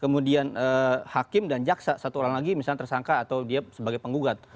kemudian hakim dan jaksa satu orang lagi misalnya tersangka atau dia sebagai penggugat